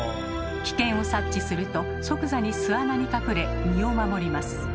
危険を察知すると即座に巣穴に隠れ身を守ります。